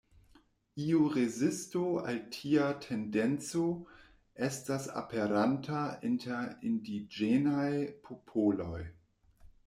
Iu rezisto al tia tendenco estas aperanta inter indiĝenaj popoloj.